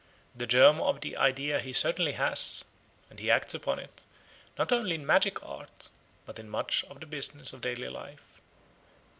The germ of the idea he certainly has, and he acts upon it, not only in magic art, but in much of the business of daily life.